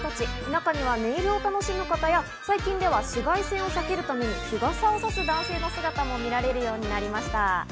中にはネイルを楽しむ方や、最近では紫外線を避けるために日傘をさす男性の姿も見られるようになりました。